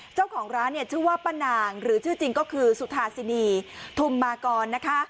เจ้าของร้านเนี่ยชื่อว่าป้านางหรือชื่อจริงก็คือสุธาสินีทุมมากรนะคะ